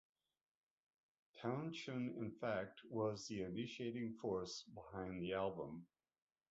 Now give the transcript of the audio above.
Townshend, in fact, was the initiating force behind the album.